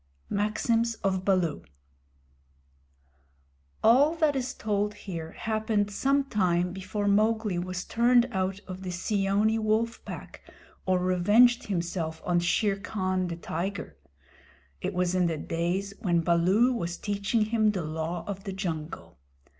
Maxims of Baloo All that is told here happened some time before Mowgli was turned out of the Seeonee Wolf Pack, or revenged himself on Shere Khan the tiger. It was in the days when Baloo was teaching him the Law of the Jungle.